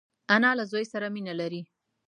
انا له زوی سره مینه لري